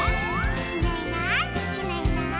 「いないいないいないいない」